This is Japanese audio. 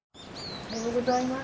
おはようございます。